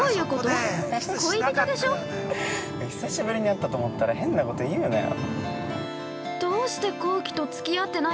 ◆久しぶりに会ったと思ったら変なこと言うなよ。